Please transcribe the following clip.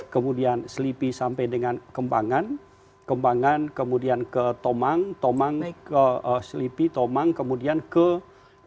kemudian selipi sampai dengan kembangan kembangan kemudian ke tomang tomang selipi tomang kemudian ke